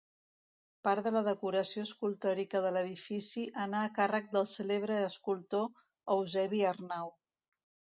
Part de la decoració escultòrica de l'edifici anà a càrrec del cèlebre escultor Eusebi Arnau.